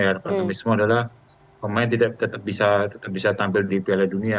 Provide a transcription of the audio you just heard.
harapan kami semua adalah pemain tetap bisa tampil di piala dunia